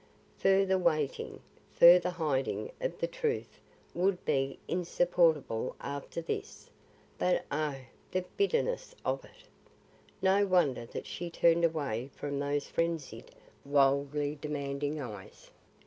Further waiting, further hiding of the truth would be insupportable after this. But oh, the bitterness of it! No wonder that she turned away from those frenzied, wildly demanding eyes.